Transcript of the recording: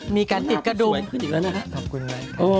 มีการติดกระดู่งสวยขึ้นอีกแล้วนะครับครับสาธารณ์ครับขอบคุณครับ